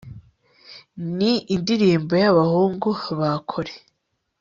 ni indirimbo y'abahungu ba kore